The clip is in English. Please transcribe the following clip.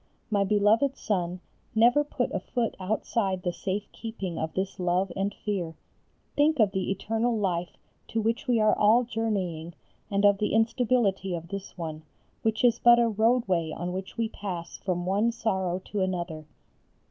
My beloved son, never put a foot outside the safe keeping of this love and fear. Think of the eternal life to which we are all journeying and of the instability of this one, which is but a roadway on which we pass from one sorrow to another.